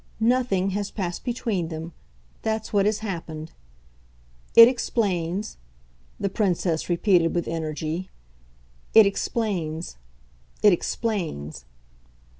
NOTHING has passed between them that's what has happened. It explains," the Princess repeated with energy; "it explains, it explains!"